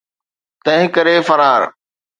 تنهن ڪري فرار.